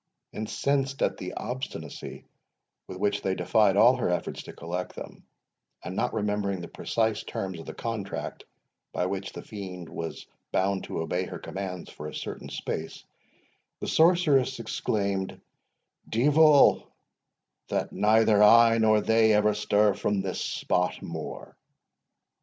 Incensed at the obstinacy with which they defied all her efforts to collect them, and not remembering the precise terms of the contract by which the fiend was bound to obey her commands for a certain space, the sorceress exclaimed, "Deevil, that neither I nor they ever stir from this spot more!"